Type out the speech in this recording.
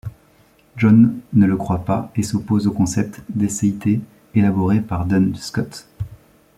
John ne le croit pas et s'oppose au concept d'eccéité élaboré par Duns Scot.